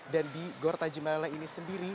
dan di gor tajimala ini sendiri